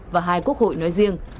và hai quốc hội nói riêng